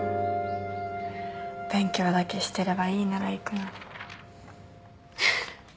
勉強だけしてればいいなら行くのに。